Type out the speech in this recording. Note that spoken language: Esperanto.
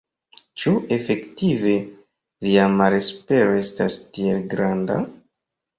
Ĉu efektive via malespero estas tiel granda?